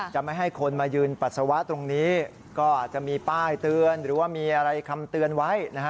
จะไม่ให้คนมายืนปัสสาวะตรงนี้ก็อาจจะมีป้ายเตือนหรือว่ามีอะไรคำเตือนไว้นะฮะ